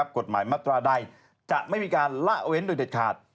กฎหมายมาตราใดจะไม่มีการละเว้นโดยเด็ดขาด